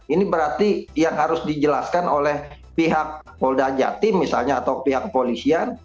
ini berarti yang harus dijelaskan oleh pihak polda jatim misalnya atau pihak polisian